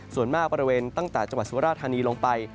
ส่วนมากบริเวณตั้งแต่จังหวัดสุราธานีลงไป